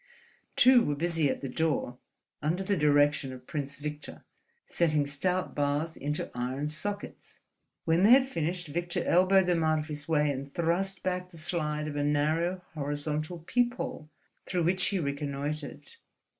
Two were busy at the door, under the direction of Prince Victor, setting stout bars into iron sockets. When they had finished, Victor elbowed them out of his way and thrust back the slide of a narrow horizontal peephole, through which he reconnoitred.